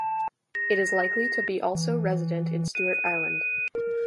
It is likely to be also resident in Stewart Island.